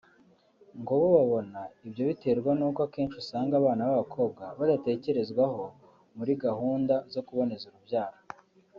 ngo bo babona ibyo biterwa n’uko akenshi usanga abana b’abakobwa badatekerezwaho muri gahunda zo kuboneza urubyaro